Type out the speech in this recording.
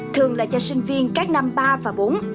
thường là cho sinh viên các năm ba và bốn